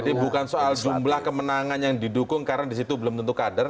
jadi bukan soal jumlah kemenangan yang didukung karena di situ belum tentu kader